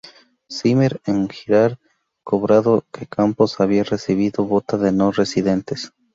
Zimmer En girar cobrado que Campos había recibido vota de no-residentes.